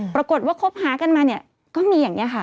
ปรากฏว่าคบหากันมาเนี่ยก็มีอย่างนี้ค่ะ